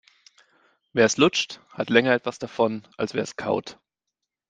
Wer es lutscht, hat länger etwas davon, als wer es kaut.